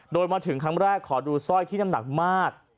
โดยมาถึงครั้งแรกขอดูสร้อยที่น้ำหนักมาก